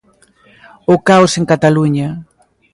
O caos en Cataluña.